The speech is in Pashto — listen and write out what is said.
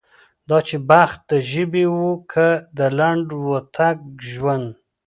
دا چې بخت د ژبې و که د لنډ و تنګ ژوند.